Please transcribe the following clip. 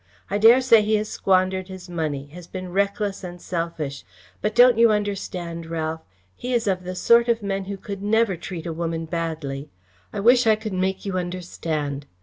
I dare say he has squandered his money, has been reckless and selfish, but don't you understand, Ralph, he is of the sort of men who could never treat a woman badly? I wish I could make you understand.